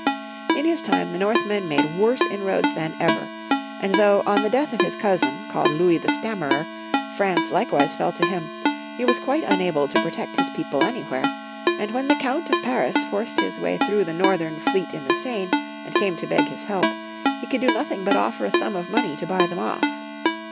In his time the Northmen made worse inroads than ever ; and though on the death of his cousin, called Louis the Stammerer, France likewise fell to him, he was quite unable to protect his people anywhere; and when the Count of Paris forced his way through the Northern fleet in the Seine, and came to beg his help, he could do nothing but offer a sum of money to buy them off.